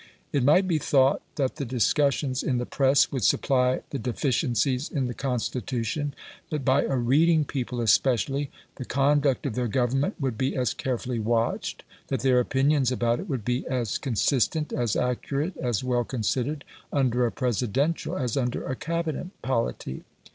It might be thought that the discussions in the press would supply the deficiencies in the Constitution; that by a reading people especially, the conduct of their Government would be as carefully watched, that their opinions about it would be as consistent, as accurate, as well considered, under a Presidential as under a Cabinet polity.